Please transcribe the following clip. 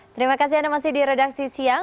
terima kasih anda masih di redaksi siang